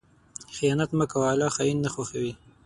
خیانت مه کوه، الله خائن نه خوښوي.